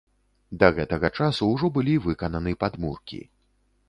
Да гэтага часу ўжо былі выкананы падмуркі.